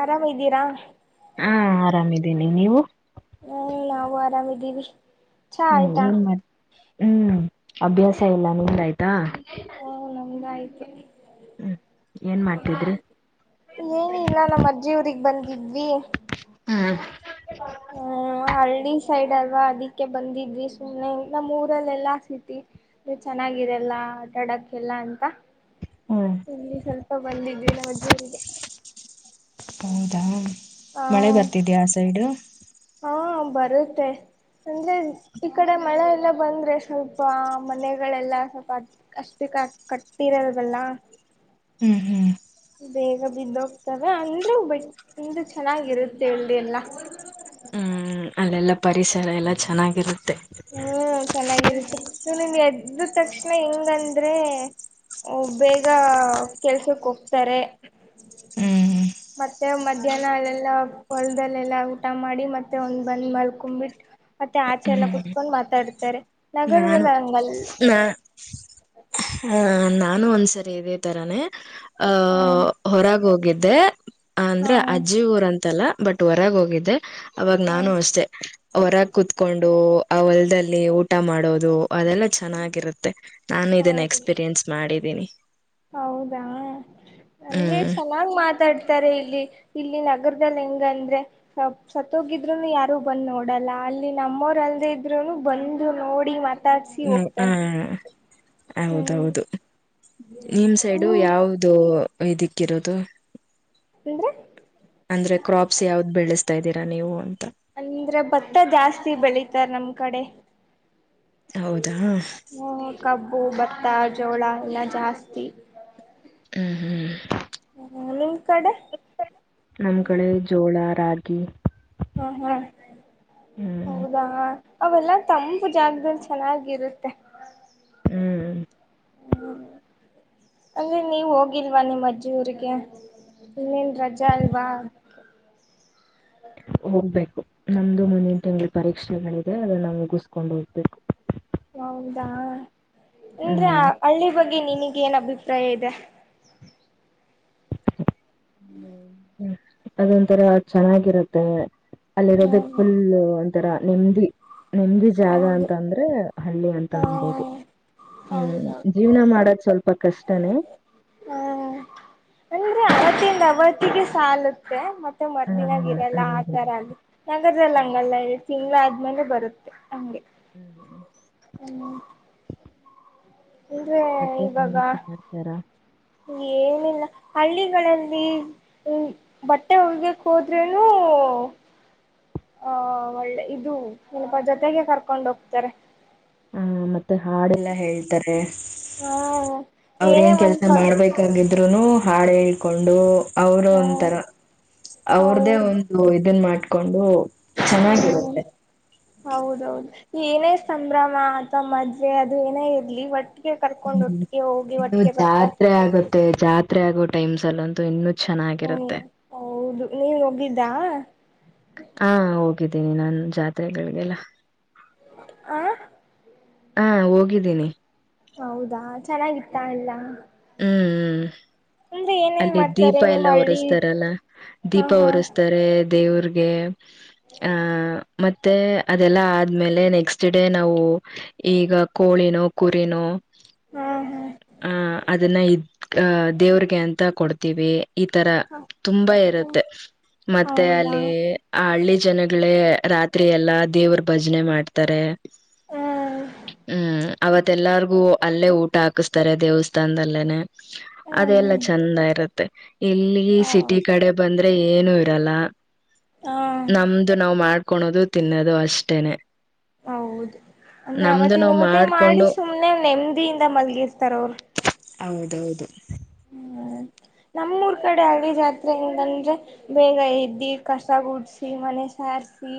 ಆರಾಮ್ದೀರಾ ಹಾ ಆರಾಮಿದ್ದೀನಿ ನೀವು ಹ್ಮ ನಾವು ಆರಾಮಿದ್ದೀವಿ ಚಾ ಹೂ ಆಯ್ತಾ ಏನ್ ಮಾಡ ಹೂ ಅಭ್ಯಾಸ ಎಲ್ಲ ಮುಗಿದಾಯ್ತಾ. ಮುಗಿದಾಯ್ತು ಏನ್ ಮಾಡ್ತಿದ್ರಿ ಏನಿಲ್ಲ ನಮ್ಮ ಅಜ್ಜಿ ಊರಿಗ್ ಬಂದ ಇದ್ವಿ ಹ್ಮ್ ಹ್ಮ್ ಹಳ್ಳಿ ಸೈಡ್ ಅಲ್ವಾ ಅದಿಕ್ಕೆ ಬಂದಿದ್ವಿ ಸುಮ್ನೆ ನಮ್ಮ್ ಊರಲ್ಲೆಲ್ಲಾ ಸಿಟಿ ಚೆನ್ನಾಗಿರಲ್ಲ ಆಟಾಡಕ್ಕೆಲ್ಲ ಅಂತ ಹ್ಮ್ ಇಲ್ಲಿ ಸ್ವಲ್ಪ ಬಂದಿದ್ವಿ ನಮಜ್ಜಿ ಊರಿಗೆ ಹೌದಾ ಮಳೆ ಬರ್ತಿದ್ಯಾ ಆ ಸೈಡು ಹಾ ಬರುತ್ತೆ ಅಂದ್ರೆ ಈ ಕಡೆ ಮಳೆ ಎಲ್ಲ ಬಂದ್ರೆ ಸ್ವಲ್ಪ ಮನೆಗಳೆಲ್ಲ ಸ್ವಲ್ಪ ಅಷ್ಟು ಕ ಕಟ್ಟ ಇರಲ್ ವಲ್ಲ ಹ್ಮ್ ಹ್ಮ್ ಬೇಗ ಬಿದ್ದ ಹೋಗ್ತವೆ ಅಂದ್ರೂ ಬಟ್ ಅಂದ ಚೆನ್ನಾಗಿರುತ್ತೆ ಇಲ್ಲಿ ಎಲ್ಲಾ ಹ್ಮ್ ಅಲ್ಲೆಲ್ಲ ಪರಿಸರ ಎಲ್ಲ ಚೆನಾಗಿರುತ್ತೆ ಹ್ಮ್ ಚೆನ್ನಾಗಿರುತ್ತೆ ನಿಮಗೆ ಎದ್ ಎದ್ದ್ ತಕ್ಷಣ ಹೆಂಗಂದ್ರೆ ಬೇಗ ಕೆಲ್ಸಕ್ ಹೋಗ್ತಾರೆ ಹ್ಮ್ ಮತ್ತೆ ಮಧ್ಯಾಹ್ನ ಅಲ್ಲೆಲ್ಲ ಹೊಲದಲ್ಲೆಲ್ಲಾ ಊಟ ಮಾಡಿ ಮತ್ತೆ ಒಂದ್ ಬಂದ ಮಲ್ಕಂಬ್ಬಿಟ್ಟ ಮತ್ತೆ ಆಚೆ ಎಲ್ಲ ಕೂತ್ ಕೊಂಡ್ ಮಾತಾಡ್ತಾರೆ ನಾನು ಹಂಗಲ್ಲ ನಾ ಹಾ ನಾ ನಾನು ಒಂದ್ಸರಿ ಇದೇ ತರಾನೇ ಅ ಹ್ಮ್ ಹೊರಗ್ ಹೋಗಿದ್ದೆ ಹಾ ಅಂದ್ರೆ ಅಜ್ಜಿ ಊರ ಅಂತಲ್ಲ ಬಟ್ ಹೊರಗೆ ಹೋಗಿದ್ದೆ ಅವಾಗ ನಾನು ಹ್ಮ್ ಅಷ್ಟೆ ಹೊರಗ್ ಕುೂತ್ಕೊಂಡು ಅವಲ್ದಲ್ಲಿ ಊ ಊಟ ಮಾಡೋದು ಅದೆಲ್ಲಾ ಚೆನ್ನಾಗಿರುತ್ತೆ ನಾನು ಇದನ್ನ ಹೌದು ಎಕ್ಸ್ಪೀರಿಯನ್ಸ್ ಮಾಡಿದ ನಿ [unintelligible] ಹೌದಾ ಅಂದ್ರೆ ಹ್ಮ್ ಚೆನ್ನಾಗ್ ಮಾತ್ ಮಾತಾಡ್ತಾರೆ ಇಲ್ಲಿ ಇಲ್ಲಿ ನಗರದಲ್ಲಿ ಹೆಂಗಂದ್ರೆ ಸತ್ತೋಗಿದ್ರುನು ಯಾರು ಬಂದ್ ನೋಡಲ್ಲ ಅಲ್ಲಿ ನಮ್ಮವರ ಅಲ್ಲದೇ ಇದ್ರುನು ಬಂದು ನೋಡಿ ಮತ್ತ ನ ಹಾ ಹ್ಮ್ ಹೌದೌದು ನಿಮ್ ಸೈಡು ನೀವು ಯಾವ್ದು ಇದಿಕ್ಕಿರೋದು ಅಂದ್ರೆ ಯಾವ್ದ್ ಬೆಳೆಸ್ತಾ ಇದ್ದೀರಾ ನೀವು ಅಂತ ಅಂದ್ರೆ ಭತ್ತ ಜಾಸ್ತಿ ಬೆಳಿತಾರ ನಮ್ ಕಡೆ ಹೌದಾ ಹ ಕಬ್ಬು ಬ ಭತ್ತ ಜೋಳ ಎಲ್ಲಾ ಜಾಸ್ತಿ ಹ್ಮ್ ಹ್ಮ್ ಹ್ಮ ನಿಮ್ ಕಡೆ ನಮ್ ಕಡೆ ಜೋಳಾ ರಾಗಿ ಹಾ ಹಾ ಹ್ಮ್ ಹೌದಾ ಅವೆಲ್ಲಾ ತಂಪು ಜಾಗದಲ್ಲಿ ಚೆನ್ನಾಗಿರುತ್ತೆ ಹ್ಮ್ ಹ್ಮ ಅಂದ್ರೆ ನೀವ ಹೋಗಿಲ್ವಾ ನಿಮಮ್ಮ ಅಜ್ಜಿ ಊರಿಗೆ ಇನ್ನೇನ್ ರಜಾ ಅಲ್ವಾ ಹೋಗ್ಬೇಕು ನಮ್ದು ಮುಂದಿನ ತಿಂಗಳು ಪರೀಕ್ಷೆಗಳಿದೆ ಅದನ್ನಾವು ಮುಗಸ್್ಕೊಂಡು ಹೋಗ್ಬೇಕು ಹೌದಾ ಇಂದ್ರೆ ಹ್ಮ್ ಹಳ್ಳಿ ಬಗ್ಗೆ ಗೆ ನಿನಿಗಗೆ ಏನ್ ಅಭಿಪ್ರಾಯ ಇದೆ ಹ್ಮ ಅದೊಂಥರ ಚೆನ್ನಾಗಿರತ್ತೆ ಅಲ್ಲಿರೋದಕ್ ಹ್ಮ ಫುಲ್ ತರ ನೆಮದಿ ನೆಮದಿ ಜಾಗ ಹೌದು ಅಂತ ಅಂದ್ರೆ ಹಳ್ಳಿ ಅಂತ ಹಾ ಅನ್ಬೋದು ಹ್ಮ್ ಹೌದೌದು ಜೀವನ ಮಾಡದ ಸ್ವಲ್ಪ ಕಷ್ಟನೇ ಹಾ ಅಂದ್ರೆ ಹ ಅವತ್ತಿಂದ ಅವತ್ತಿಗೆ ಸಾಲುತ್ತೆ ಮ ಮತ್ತೆ ಮರ್ದಿನಾಗ ಹ ಇರಲ್ಲ ಅದೇ ಅದೇ ಆತರ ಅದೇ. ಅದು ನಗರದಲ್ಲಿ ಹಂಗಲ್ಲ ತಿ [unintelligible] ಮೇಲೆ ಬರುತ್ ಹಂಗೆ ಹ್ಮ್ ಹ್ಮ ಮತ್ತೆ ಇವಾಗ ಎನ್ ಸಮಾಚಾರ ಏನಿಲ್ಲ ಹಳ್ಳಿಗಳಲ್ಲಿ ಬಟ್ಟೆ ಹೋಗಿಯಕ್ಕೆ ಹೋದ್ರೆ ನೂ ಒಳ್ಳೆ ಇದು ಸ್ಲ್ಪ ಜೊತೆಗೆ ಕರ್ಕೊಂಡ್ ಹೋಗ್ತಾರೆ ಹ್ಮ್ ಮತ್ ಮತ್ತೆ ಹಾಡೆಲ್ಲಾ ಹೇಳ್ತಾರೆ ಹಾ ಏನೇ ಅವ್ರೇನ್ ಒಂದ್ ಕೆಲ್ಸ ಹಾ ಮಾಡ್ಬೇಕ ಅಂತ ಇರುತ್ ಇದ್ರುನು ಹಾಡು ಹೇಳ್ಕೊಂಡು ಅವರು ಒಂತರ ಅವ್ರ್ದೇ ಹೌದು ಒಂದು ಇದನ್ ಮಾಡ ಕೊಂಡು ಹ್ಮ್ ಚೆನ್ನಾಗಿರುತ್ತೆ ಹೌದೌದು ಏನೇ ಸಂಭ್ರಮ ಅಥವಾ ಮದ್ವೆ ಅದು ಏನೇ ಇರಲಿ ವಟ್ ಕರ್ಕೊಂಡು ಹ್ಮ್ ಒಟ್ಟಿಗೆ ಹೋಗಿ ಇನ್ನು ಒಟ್ಟಿಗೆೆ ಬರ್ತರೆ ಜಾತ್ರೆ ಆಗುತ್ತೆ ಜಾತ್ರೆ ಆಗೋ ಟೈಮ್ ಅಲ್ಲ ಅಂತೂ ಇನ್ನು ಹ್ಮ್ ಚೆನ್ನಾಗಿರುತ್ತೆ ಹೌದು ನೀವ್ ಹೋಗಿದ್ದಾ ಹ ಹೋಗಿದ್ದ ್ದೇನಿ ನಾನು ಜಾತ್ರೆಗಳಿಗೆಲ್ಲ ಆ ಹಾ ಹೋಗಿದ್ದೀನಿ ಹೌದಾ ಚೆನ್ನಾಗಿತ್ತಾ ಎಲ್ಲ ಹ್ಮ್ ಹ್ಮ್ ಅಂದ್ರೆ ಏನೇನ್ ಅಲ್ಲಿ ಮಾಡ್ತಾರೆ ದೀಪ ನಿಮ್ ಎಲ್ಲ ಹಳ್ಳಿ ಹೊರೆಸ್್ತಾರಲ್ಲ ಹಾ ದೀಪ ಹಾ ಹೊರೆಸ್ತಾರೆ ದೇವ್ರಿಗೆ ಆ ಮತ್ತೆ ಮತ್ತೆ ಅದೆಲ್ಲ ಆದ್ಮೇಲೆ ನೆಕ್ಸ್ಟ್ ಡೇ ನಾವು ಈಗ ಕೋಳಿನೋ ಕುರಿನೋ ಹಾ ಆ ಇದ್ ದೇವ್ರಿಗೆ ಅಂತ ಕೊಡ್ತೀವಿ ಈ ತರ ಹಾ ತುಂಬಾ ಇರುತ್ತೆ ಮತ್ತೆ ಹೌದಾ ಅಲ್ಲಿ ಆ ಹಳ್ಳಿ ಜನಗಳೇ ರಾತ್ರಿ ಎಲ್ಲಾ ದೇವ್ರ ಭಜನೆ ಮಾಡ್ತಾರೆ ಹ್ಮ್ ಹ್ಮ್ ಅವತ್ತೆಲ್ಲಾರ್ಗು ಅಲ್ಲೇ ಊಟ ಹಾಕಿಸ್ತಾರೆ ದೇವಸ್ಥ ತಂದಲ್ಲೇನೆ ಅದೆಲ್ಲಾ ಹ್ಮ್ ಚಂದ ಇರುತ್ತೆ ಇಲ್ಲಿ ಹೌ ಸಿಟಿ ಕಡೆ ಬಂದ್ರೆ ಅೆ ಏನು ಇರಲ್ಲ ಹಾ ನಮ್ದು ನಾವು ಮಾಡ್ ಕಳೋದು ತಿನ್ನೋದು ಅಷ್ಟೇನೆ ಹೌದು ಅಂದ್ರೆ ನಮ್ದು ನಾವ್ ಅವತ್ತಿನವತ್ತೇ ಮಾಡಿ ಮಾಡ್ಕೊಂಡು ಸುಮ್ನೆ ನೆಮ್ಮದಿಯಿಂದ ಮಲ್ಗಿರ್ತಾರ ಅವರು ಹೌದೌದು ಹ್ಮ್ ನಮ್ಮೂರ್ ಕಡೆ ಹಳಿ ಜಾತ್ರೆಯಿಂದಂದ್ರೆ ಬೇಗ ಎದ್ದಿ ಕಸ ಗೂಡ್ಸಿ ಮನೆ ಸಾರಸಿ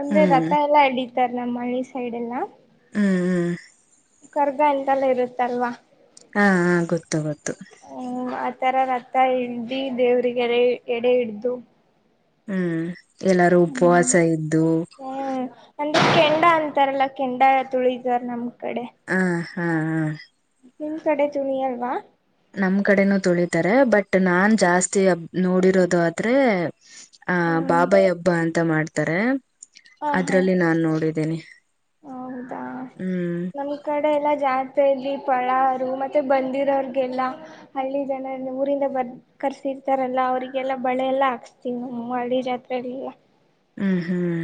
ಅಂದ್ರೆ ಹ್ಮ್ ರಥ ಎಲ್ಲಾ ಎಡ ಇದರ ನಮ್ಮ ಹಳ್ಳಿ ಸೈಡ್ ಎಲ್ಲ ಹ್ಮ್ ಹ್ಮ್ ಕರ್ಗ ಎಂತೆಲ್ಲ ಇರುತ್ತಲ್ವಾ ಹಾ ಹ ಗೊತ್ತು ಗೊತ್ತು ಆ ತರ ರತ್ತ ಹ್ದಿ ದೇವ್ರರಿಗೆಡೆ ಎಡೆ ಹಿಡ್ದು ಹ್ಮ್ ಎಲ್ಲಾರೂ ಹ್ಮ್ ಉಪವಾಸ ಇದ್ದು ಈ ಕೆಂಡ ಅಂತಾರಲ್ಲ ಕೆಂಡ ತುಳಿದಾರ ನಮ್ಗೆ ಕಡೆ ಹ್ಮ್ ಹ ನಿಮ್ ಕಡೆ ತುನಿ ಅಲ್ವಾ ನಮ್ ಕಡೆನೂ ತೊಳಿತಾರೆ ಬಟ್ ನಾನ್ ಜಾಸ್ತಿಬ್ ನೋಡಿರೋದು ಆದ್ರೆ ಆ ಹ್ಮ್ ಬಾಬಾಯ ಹಬ್ಬ ಅಂತ ಮಾಡ್ತಾರೆ ಹಾ ಹಾ ಅದ್ರಲ್ಲಿ ನಾನ್ ನೋಡಿದ್ದ ಇದನೇ ಹೌದಾ ನಮ್ ಕಡೆ ಎಲ್ಲಾ ಜಾ ಜಾೆಯಲ್ಲಿ ಪಳಾರ ಮತ್ತೆ ಬಂದಿರೋಿಗೆಲ್ಲ ಹಳ್ಳಿ ಜನ ಊರಿಂದ ಬರ್ ಕರ್ಸಿರ್ತಾರಲ್ಲ ಅವರಿಗೆಲ್ಲ ಬಳೆಲ್ಲ ಹಾಕ್ಸ್ತೀನಿ ನ ಹಳ್ಳಿ ಜಾತ್ರೆಗಳಿಗೆ ಹ್ಮ್ ಹ್ಮ್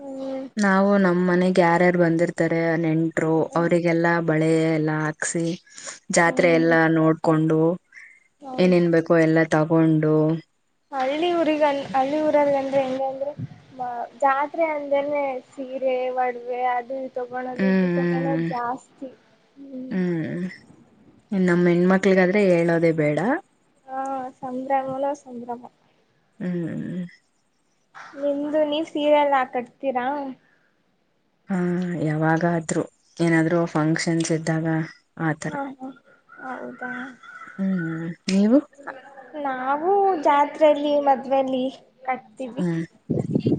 ಹ್ಮ್ ನವು ನ ನಮ್ಮ್ ಮನೆಗೆ ಯಾರ್ಯಾರು ಬಂದಿರ್ತಾರೆ ನೆಂಟರು ಅವರಿಗೆಲ್ಲ ಬಳೆ ಎಲ್ಲ ಹಾಕ್ಸಿ ಜಾತ್ರೆ ಹ್ಮ್ ಎಲ್ಲಾ ನೋಡ್ಕೊಂಡ ಕೊಂಡು ಹೌದು ಏನೇನ್ ಬೇಕು ಎಲ್ಲ ತಗೊಂಡು ಹಳ್ಳಿ ಊರಿಗ ಹಳ್ಳಿ ಊರಲ್ಲ ಹೆಂಗ ಅಂದ್ರೆ ಜಾತ್ರೆ ಅಂದ್ರೇನೆ ಸೀರೆ ಒಡವೆ ಅದು ತಗೊಳ್ಳಳದಿದ್ರೆ ತಗೊಳ್ಳಳ ಹ್ಮ್ ಜಾಸ್ತಿ ಹ್ಮ್ ಮಕ್ಳಿಗಾದ್ರೆ ಹೇಳೋದೇ ಬೇಡ ಹಾ ಸಂಭ್ರಮನೋ ಸಂಭ್ರಮ ಹ್ಮ್್ಮ ನಿಮ್ದು ನೀವು ಸೀರೆ ಎಲ್ಲಾ ಕಟ್ತೀರಾ ಹಾ ಯಾವಾಗಾದ್ರು ಏನಾದ್ರು ಫಂಕ್ಷನ್ಸ್ ಇದ್ದಾಗ ಆತರ ಹಾ ಹಾ ಹೌದಾ ಹ್ಮ್ ನೀವು ನಾವು ಜಾತ್ರೆಯಲ್ಲಿ ಮದುವೆಲ್ಲಿ ಕಟ್ತೀವಿ ಹ್ಮ್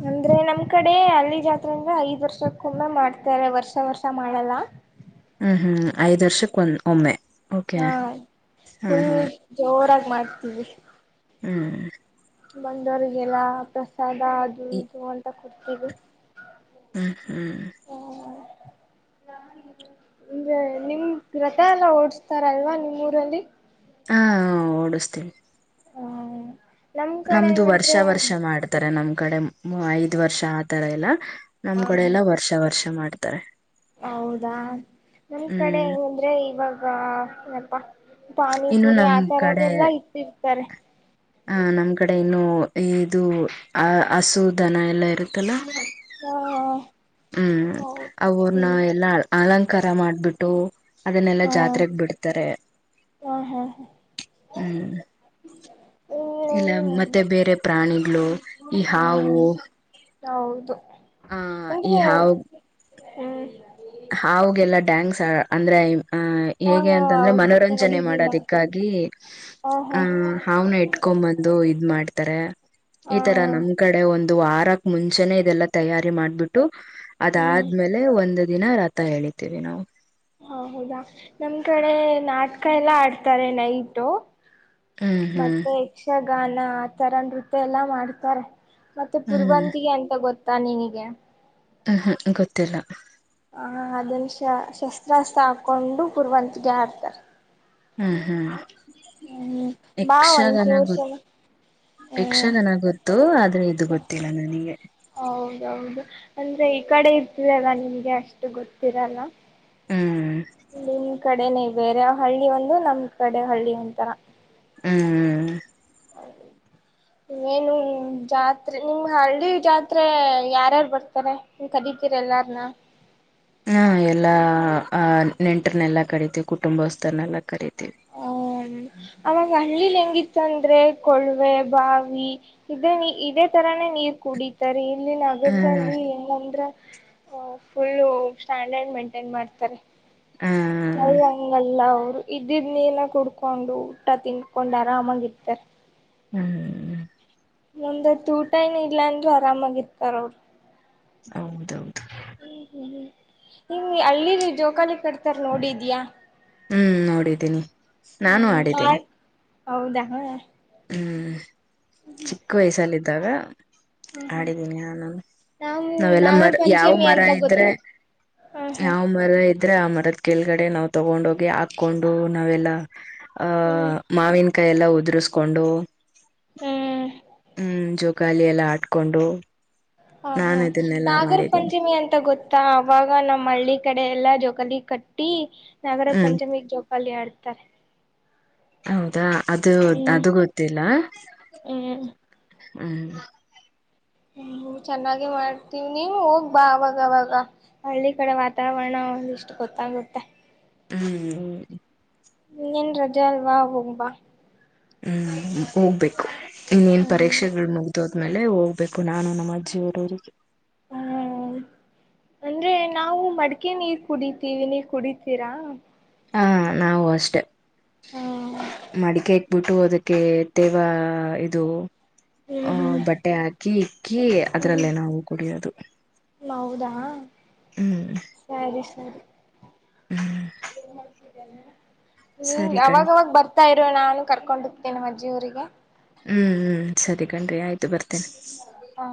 ಅಂದ್ರೆ ನಮ ಈ ಕಡೆ ಅಲ್ಲಿ ಜಾತ್ರೆ ಅಂದ್ರೆ ಐದ್ ವರ್ಷಕ್ಕೊಮ್ಮೆ ಮಾಡ್ತಾರೆ ವರ್ಷ ವರ್ಷ ಮಾಡಲ್ಲ ಹ್ಮ್ ಹ್ಮ್ ಐದ್ ವರ್ಷಕ್ಕೆ ಒಂದ ಒಮ್ಮೆ ಓಕೆ ಹಾ ಹ್ಮ್ ಹ್ಮ್ ಫುಲ್ ಜೋರ ಮಾಡ್ತೀವಿ ಹ್ಮ್ ಬಂದೋರಿಗೆಲ್ಲ ಪ್ರಸಾದ ಅದು ಇದು ಅಂತ ಕೊಡ್ತ ಇದು ಹ್ಮ ಹ್ಮ್ ಹಾ ನಿಮ್ ಅಂದ್ರೆ ರರಥ ಎಲ್ಲ ಓಡ್ಸ್ತಾರ ಅಲ್ವಾ ನಿಮ್ ಊರಲ್ಲಿ ಹಾ ಓಡುಸ್ತಿವಿ ಹ ನಮ್ ಕಡೆ ನಮ್ದು ಹೆಂಗಂದ್ರೆ ವರ್ಷ ವರ್ಷ ಮಾಡ್ತಾರೆ ನಮ್ ಕಡೆ ಐದ್ ವರ್ಷ ಆತರ ಇಲ್ಲ ನಮ್ ಕಡೆ ಹ ಎಲ್ಲಾ ವರ್ಷ ವರ್ಷ ಮಾಡ ಮಾಡ್ತಾರೆ ಹೌದಾ ನಮ್ ಕಡೆ ಹ್ಮ್ ಹೆಂಗಂದ್ರೆ ಇವಾಗ ಏನಪ್ಪಾ, ಇನ್ನು ಪಾನಿಪುರಿ ನಮ್ ಆ ಕಡೆ ತರದೆಲ್ಲಾ ಇಟ್ಟಿರ್ತಾರೆ. ಆ ನಮ್ ಕಡೆ ಇನ್ನು ಇದು ಹಸು ದನ ಎಲ್ಲ ಇರುತ್ತಲ್ಲ, ಹ ಹ್ಮ್ ಹೌದು ಹ್ಮ ಅವ್ರನ್ನ ಎಲ್ಲ ಅಲಂಕಾರ ಕರ ಮಾಡಿಬಿಟ್ಟು ಅದನ್ನೆಲ್ಲಾ ಜಾತ್ರೆಗ್ ಬಿಡ್ತಾರೆ, ಹಾ ಹಾ ಹಾ ಹ್ಮ್ ಹ್ಮ್ ಇಲ್ಲ ಮತ್ತೆ ಬೇರೆ ಪ್ರಾಣಿಗಳು, ಹ್ಮ್ ಯಾವು?. ಹೌದು ಹಾ ಅಂದ್ರೆ ಹಾವು ಹ್ಮ್ ಹಾಗೆಲ್ಲ ಡ್ಯಾಂಗ್ಸ್ ಅಂದ್ರೆ ಆಹ ಹಾ ಹೇಗೆ ಹಾ ಅಂತಂದ್ರೆ ಹೌದು ಮನೋರಂಜನೆ ನೋಡಿದ್ದೀನ ಮಾಡೋದಿಕ್ಕಾಗಿ, ಹಾ ಹಾ ಆಹ್ ಹಾವ್ನ ಇಟ್ಕೊ್ ಬಂದು ಇದ್ ಮಾಡ್ತಾರೆ ಹಾ ಈ ತರ ನಮ್ ಕಡೆ ಒಂದು ಇದು ವಾರಕ್ ಮುಂಚೆನೆೇ ಇದೆಲ್ಲ ತಯಾರಿ ಮಾಡ್ಬಿಟ್ಟು, ಹ್ಮ್ ಅದಾದ್ಮೇಲೆ ಒಂದು ದಿನ ರತ ಹೇಳಿತೀವಿ ನಾವು. ಹ ಹೌದಾ ನಮ್ ಕಡೆ ನಾಟಕ ಎಲ್ಲಾ ಆಡ್ತಾರೆ ನೈಟು, ಹ್ಮ್ ಹ್ಮ್ ಮತ್ತೆ ಯಕ್ಷ ಗಾನ ಆ ತರ ನೃತ್ಯ ಎಲ್ಲಾ ಮಾಡ್ತಾರೆ. ಮತ್ತೆ ಹ್ಮ್ ಪರುವಂತಿಗೆ ಎಂತ ಗೊತ್ತ ತಾನಿನಿಗೆ ಹ ಹಾ ಗೊತ್ತಿಲ್ಲ. ಹ ಅದನ್ ಶ ಶಸ್ತ್ರಾಸ್ತ್ರ ಹಾಕೊಂಡು ಕುರುವಂತಗೆ ಆಡ್ತಾರೆ. ಹ್ಮ್ ಹ್ಮ್ ಹ್ಮ್ ಬಾ ಯಕ್ಷಗಾನ ಒಂದ್ಚೂರ್ ಗೊ ಸಲ ಹ್ಮ್ ಯಕ್ಷಗಾನ ಗೊತ್ತು ಆದ್ರೆ ಇದು ಗೊತ್ತಿಲ್ಲ ನನಗೆ. ಹೌದೌದು ಅಂದ್ರೆ ಈ ಕಡೆ ಇರ್ತರಲ್ಲ ನಿಮ್ಗೆ ಅಷ್ಟು ಗೊತ್ತಿರಲ್ಲ. ಹ್ಮ್ ನಿಮ್ ಕಡೆನೆೇ ಬೇರೆ ಹಳ್ಳಿ, ಒಂದು ನಮ ಕಡೆ ಹಳ್ಳಿ ಒಂತರ. ಹ್ಮ್ ನೀಏನು ಜಾತ್ರೆ ನಿಮ್ ಹಳ್ಳಿ ಜಾತ್ರೆ ಯಾರ್ಯಾರು ಬರ್ತಾರೆ? ನೀ ಕರಿತೀರ ಎಲ್ಲಾರನ್ನ ಹಾ ಎಲ್ಲಾ ಅಹ್ ನೆಂಟರ್ನೆೆಲ್ಲ ಕರಿತಿವ, ಕುಟುಂಬಸ್ಥರನ್ನೆಲ್ಲ ಕರೀತಿವಿ ಹ ಅವಾಗ ಹಳ್ಳಿಲಿ ಹೆಂಗಿತ್ತುಂದ್ರೆ ಕೊಳ್ವೆ ಬಾವಿ ಇದೇ ಇದೇ ತರಾನೇ‌ ನೀರ್ ಕುಡಿತಾರೆ ಇಲ್ಲಿ ಹ್ಮ್ ನಗರದಲ್ಲಿ ಏನಂದ್ರೆ ಫುಲ್ಲ ಸ್ಟ್ಯಾಂಡರ್ಡ್ ಮೇಂಟೈನ್ ಮಾಡ್ತಾರೆ. ಹ್ಮ್ ನಲ್ಲಂಗಲ್ಲ [unintelligible] ಇದಿದ್ದ ನೀನ ಕುಡ್ಕೊಂಡು ಊಟ ತಿನ್ಕೊಂಡ್ ಆರಾಮಾಗಿ ಇರ್ತಾರ ಹ್ಮ್ ಒಂದತ್ತು ಊಟ ಏನ ಇಲ್ಲ ಅಂದರು ಆರಾಮಾಗಿರ್ತಾರ ಅವರು ಹೌದೌದು ಹ್ಮ್ ಹ್ಮ್ ಹ್ಮ್ ನಿ್ ಹಳ್ಳಿ ಜೋಕಾಲಿ ಕಟ್ತಾರ ನೋಡಿದ್ಯಾಾ ಹ್ಮ್ ನೋಡಿದ್ದೀನಿ ನಾನು ಹ್ಮ್ ಆ ಆಡಿದ್ದೀನಿ ಹೌದಾ ಹ್ಮ ಚಿಕ್ಕ ವಯಸಲ್ಲಿದ್ದಾಗ ಆಡಿದೀನಿ ನಾನು ನಾವು ನಾವೆಲ್ಲ ನಾಗರ ಮರ ಯಾವ ಪಂಚಮಿ ಮರ ಅಂತ ಗೊತ್ತ ಇದ್ರೆ ಹ್ಮ್ ಯಾವ ಹ್ಮ್ ಮರ ಇದ ಆದ್ರೆ ಆ ಮರದ ಕೆಳಗಡೆ ನಾವು ತಗೊಂಡೋಗಿ ಹಾಕೊಂಡು ನಾವೆಲ್ಲ ಆ ಹ್ಮ್ ಮಾವಿನ್ ಕೈ ಎಲ್ಲ ಉದ್ರ್ ಕೊಂಡು ಹ್ಮ್ ಹ್ಮ್ ಜೋಕಾಲಿ ಎಲ್ಲಾ ಆಡ್ಕೊಂಡು ಹ ಹಾ ನಾನು ಇದನ್ನೆಲ್ಲಾ ನಾಗರ ಮಾಡಿದ್ದೀನಿ ಪಂಚಮಿ ಅಂತ ಗೊತ್ತ ಅವಾಗ ನಮ್ಮ್ ಹಳ್ಳಿ ಕಡೆ ಎಲ್ಲಾ ಜೋಕಾಲಿ ಕಟ್ಟಿ ನಾಗರ ಹ್ಮ್ ಪಂಚಮಿ ಜೋ ಅಲ್ಲಿ ಆಡ್ತಾರೆ ಹೌದಾ ಅದು ಹ್ಮ್ ಅದು ಗೊತ್ತಿಲ್ಲ ಹ್ಮ್ ಹ್ಮ್ ಹ್ಮ್ ಚೆನ್ನಾಗಿ ಮಾಡ್ತೀವಿ ನೀವು ಹೋಗ್ಬಾ ಅವಾಗವಾಗ ಹಳ್ಳಿ ಕಡೆ ವಾತಾವರಣ ಒಂದ ಇಷ್ಟು ಗೊತ್ತಾಗುತ್ತೆ ಹ್ಮ್ ಇನ್ನೇನ್ ರಜಾ ಅಲ್ವಾ ಹೋಗ್ಬಾ ಹ್ಮ್ ಹೋಗ್ಬೇಕು ಇನ್ನೇನ್ ಹ್ಮ್ ಪರೀಕ್ಷೆಗಳು ಮುಗ್ದೋದ್ಮೇಲೆ ಹೋಗ್ಬೇಕು ನಾನು ನಮ್ಮ ಅಜ್ಜಿಯವರೂರಿಗೆ ಹ್ಮ ಅಂದ್ರೆ ನಾವು ಮಡ್ಕೆ ನೀರ್ ಕುಡಿತೀವಿ ನೀವ್ ಕುಡಿತೀರಾ ಹಾ ನಾವು ಅಷ್ಟೇ ಹ್ಮ್ ಮಡಿಕೆ ಬಿಟ್ಟುದಕ್ಕೆ ತೇವಾ ಇದು ಹ್ಮ್ ಅ ಹ್ಮ್ ಬಟ್ಟೆ ಹಾಕಿ ಇಕ್ಕಿ ಹ್ಮ್ ಅದ್ರಲ್ಲೇ ನಾವು ಕುಡಿಯೋದು ಹೌದಾ ಹ್ಮ್ ಸರಿ ಸರಿ ಹ್ಮ್ ಇದೆಲ್ಲಿಡದ್ ಸರಿ ಹ ಕಣ್ರಿ ಅವಾಗವಾಗ ಬರ್ತಾ ಇ ಇ ನಾನು ಕರ್ಕೊಂಡೊಗ್ತಿನ್ ನಮ್ಮಜ್ಜಿ ಊರಿಗೆ ಹ್ಮ್ ಹ್ಮ್ ಸರಿ ಕಣ್ರೀ ಆಯ್ತು ಬರ್ತೀನಿ ಹಾ